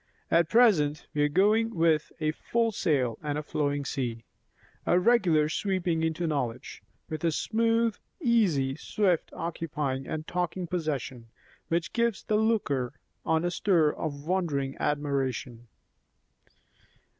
At present we are going with 'a full sail and a flowing sea'; a regular sweeping into knowledge, with a smooth, easy, swift occupying and taking possession, which gives the looker on a stir of wondering admiration.